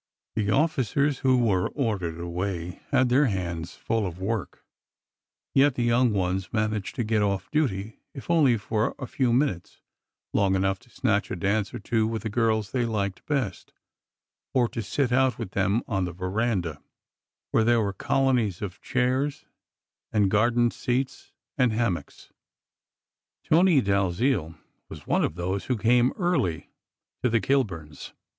The officers who were ordered away had their hands full of work, yet the young ones managed to get off duty if only for a few minutes, long enough to snatch a dance or two with the girls they liked best, or to "sit out " with them on the veranda, where there were colonies of chairs, and garden seats, and hammocks. Tony Dalziel was one of those who came early to the Kilburns